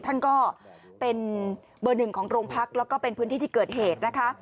ท่านก็เป็นเบอร์หนึ่งของโรงพักแล้วก็เป็นพื้นที่ที่เกิดเหตุนะคะ